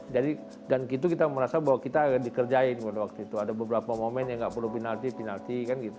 dan kita merasa bahwa kita dikerjain pada waktu itu ada beberapa momen yang tidak perlu penalti penalti